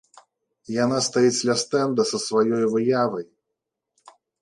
Яна стаіць ля стэнда са сваёй выявай.